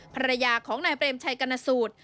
ภรรยาของนายเปรมชัยกรณสูตร